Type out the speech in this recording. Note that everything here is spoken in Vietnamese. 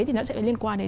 thì nó sẽ liên quan đến